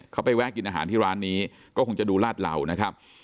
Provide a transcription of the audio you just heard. เขาไปแวะกินอาหารที่ร้านนี้ก็คงจะดูลาดเหล่านะครับ